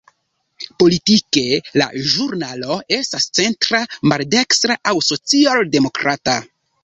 Politike, la ĵurnalo estas centra-maldekstra aŭ social-demokrata.